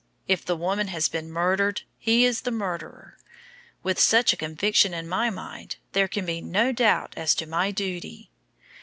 If the woman has been murdered, he is the murderer. With such a conviction in my mind, there can be no doubt as to my duty."